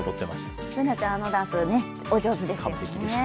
Ｂｏｏｎａちゃんあのダンスお上手ですよね。